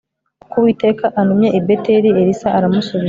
kuko uwiteka antumye i beteli elisa aramusubiza